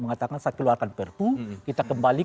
mengatakan saat keluarkan perpu kita kembali